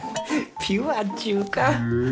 ピュアっちゅうか。